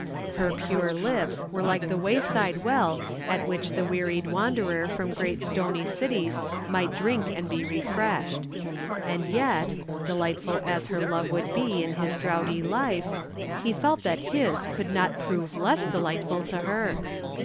Her pure lips were like the wayside well at which the wearied wanderer from great stony cities might drink and be refreshed. And yet, delightful as her love would be in his droughty life, he felt that his could not prove less delightful to her.